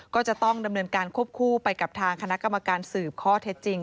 ก็จะต้องดำเนินการควบคู่ไปกับทางคณะกรรมการสืบข้อเท็จจริง